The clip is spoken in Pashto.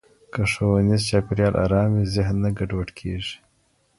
که ښوونیز چاپېریال ارام وي، ذهن نه ګډوډ کېږي.